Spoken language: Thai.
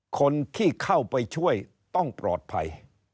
คนที่เข้าไปช่วยต้องปลอดภัย